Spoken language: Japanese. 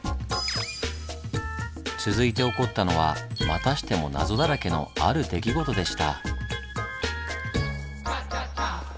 続いて起こったのはまたしても謎だらけのある出来事でした。